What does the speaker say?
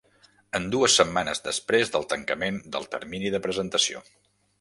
En dues setmanes després del tancament del termini de presentació.